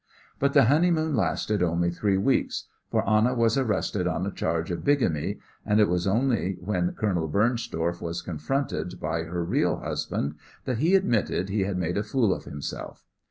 But the honeymoon lasted only three weeks, for Anna was arrested on a charge of bigamy, and it was only when Colonel Bernstorff was confronted by her real husband that he admitted he had made a fool of himself.